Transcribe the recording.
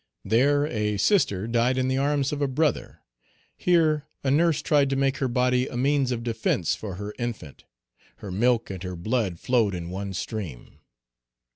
There a sister died in the arms of a brother; here, a nurse tried to make her body a means of defence for her infant; her milk and her blood flowed in one stream.